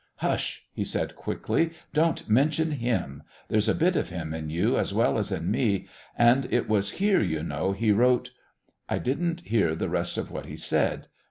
"Hush!" he said quickly. "Don't mention him. There's a bit of him in you as well as in me, and it was here, you know, he wrote " I didn't hear the rest of what he said.